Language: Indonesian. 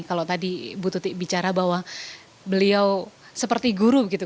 kalau tadi bu tuti bicara bahwa beliau seperti guru gitu